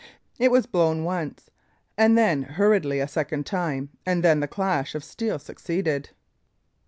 It was blown once, and then hurriedly a second time; and then the clash of steel succeeded.